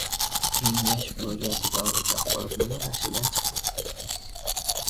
Kengash faoliyatiga oid “Axborotnoma” nashrdan chiqdi